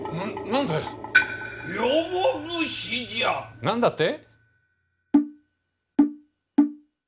何だって？